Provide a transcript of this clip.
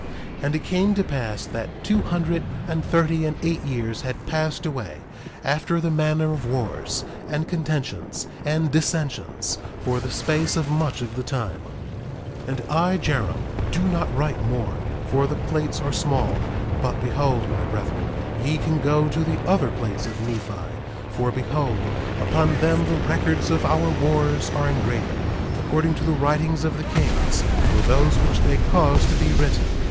1:13 And it came to pass that two hundred and thirty and eight years had passed away—after the manner of wars, and contentions, and dissensions, for the space of much of the time. 1:14 And I, Jarom, do not write more, for the plates are small. But behold, my brethren, ye can go to the other plates of Nephi; for behold, upon them the records of our wars are engraven, according to the writings of the kings, or those which they caused to be written.